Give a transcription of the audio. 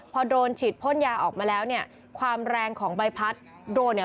พอโดนฉีดพ่นยาออกมาแล้วเนี่ยความแรงของใบพัดโดรน